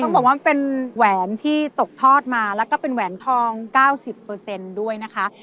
ต้องบอกว่าเป็นแหวนที่ตกทอดมาแล้วก็เป็นแหวนทองเก้าสิบเปอร์เซ็นต์ด้วยนะคะ